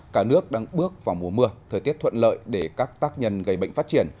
cả nước đang bước vào mùa mưa thời tiết thuận lợi để các tác nhân gây bệnh phát triển